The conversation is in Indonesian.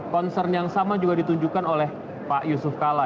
concern yang sama juga ditunjukkan oleh pak yusuf kala